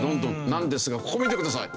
なんですがここ見てください。